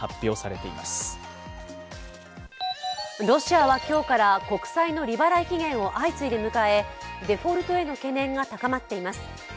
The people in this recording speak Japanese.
ロシアは今日から国債の利払い期限を相次いで迎えデフォルトへの懸念が高まっています。